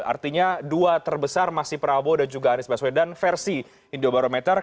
artinya dua terbesar masih prabowo dan juga anies baswedan versi indobarometer